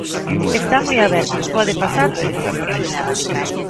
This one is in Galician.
Está moi aberto, pode pasar todo.